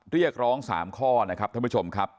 เรียกร้อง๓ข้อนะครับท่านผู้ชมครับ